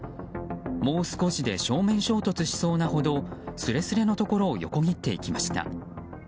もう少しで正面衝突しそうなほどすれすれのところを横切っていきました。